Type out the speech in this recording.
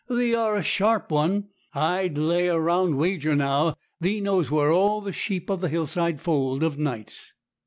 Thee art a sharp one. I'd lay a round wager, now, thee knows where all the sheep of the hillside fold of nights.'